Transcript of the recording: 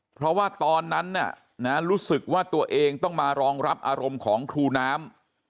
เพราะว่าตอนนั้นรู้สึกว่าตัวเองต้องมารองรับอารมณ์ของครูน้ำ